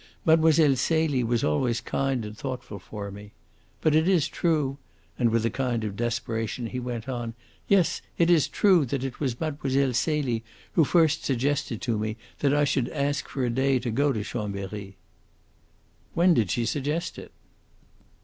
Mlle. Celie was always kind and thoughtful for me ... But it is true" and with a kind of desperation he went on "yes, it is true that it was Mlle. Celie who first suggested to me that I should ask for a day to go to Chambery." "When did she suggest it?"